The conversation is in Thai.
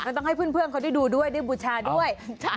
ต้องให้เพื่อนเขาได้ดูด้วยได้บูชาด้วย